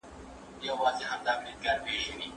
پر همدې بنسټ موږ سياستپوهنه دانش او علم بولو.